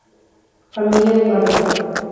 Familia Barnard